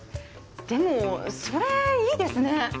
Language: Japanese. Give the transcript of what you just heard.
でもそれいいですね。